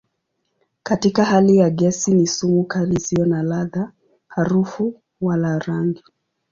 Katika hali ya gesi ni sumu kali isiyo na ladha, harufu wala rangi.